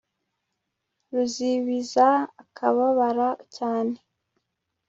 ruzibiza akababara cyane